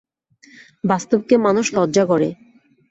বাস্তবকে মানুষ লজ্জা করে।